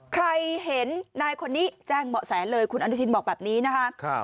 ใครเห็นนายคนนี้แจ้งเบาะแสเลยคุณอนุทินบอกแบบนี้นะคะ